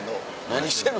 何してんの？